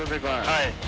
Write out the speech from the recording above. はい。